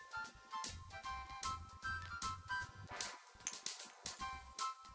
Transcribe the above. kalau kamu también pengen dilihat